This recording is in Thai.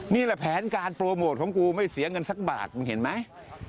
นี่แหละแผนการโปรโมทของกูไม่เสียเงินสักบาทมึงเห็นไหม